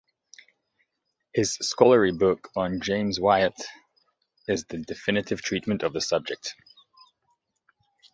His scholarly book on James Wyatt is the definitive treatment of the subject.